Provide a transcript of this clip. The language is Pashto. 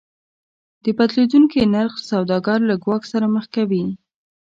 د بدلیدونکي نرخ سوداګر له ګواښ سره مخ کوي.